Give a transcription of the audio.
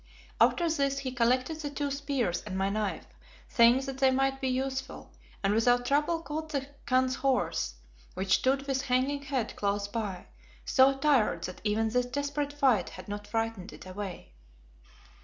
After this he collected the two spears and my knife, saying that they might be useful, and without trouble caught the Khan's horse, which stood with hanging head close by, so tired that even this desperate fight had not frightened it away.